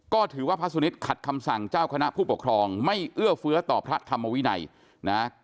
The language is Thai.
ก็ถือว่าพระสุนิทขัดคำสั่งเจ้าคณะผู้ปกครองไม่เอื้อเฟื้อต่อพระธรรมวินัยนะ